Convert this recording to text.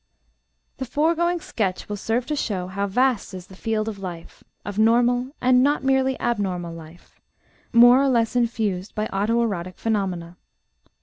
The foregoing sketch will serve to show how vast is the field of life of normal and not merely abnormal life more or less infused by auto erotic phenomena.